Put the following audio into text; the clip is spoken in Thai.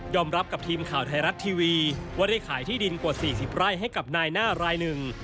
รับกับทีมข่าวไทยรัฐทีวีว่าได้ขายที่ดินกว่า๔๐ไร่ให้กับนายหน้ารายหนึ่ง